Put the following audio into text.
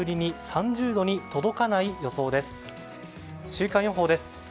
週間予報です。